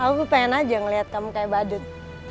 aku pengen aja ngeliat kamu kayak badut